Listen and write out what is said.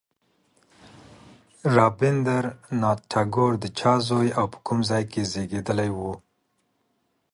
رابندر ناته ټاګور د چا زوی او په کوم ځای کې زېږېدلی و.